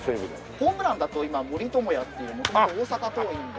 ホームランだと今森友哉っていう元々大阪桐蔭で。